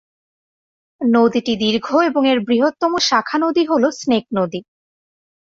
নদীটি দীর্ঘ এবং এর বৃহত্তম শাখা নদী হ'ল স্নেক নদী।